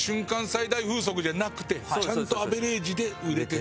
最大風速じゃなくてちゃんとアベレージで売れて。